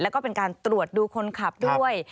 แล้วก็เป็นการตรวจดูคนขับด้วย